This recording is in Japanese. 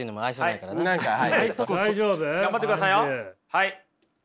はい。